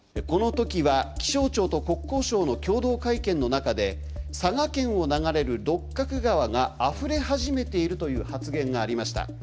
この時は気象庁と国交省の共同会見の中で佐賀県を流れる六角川があふれ始めているという発言がありました。